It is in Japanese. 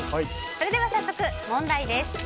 それでは早速問題です。